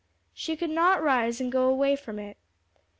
She could not rise and go away from it.